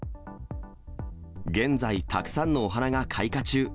現在、たくさんのお花が開花中！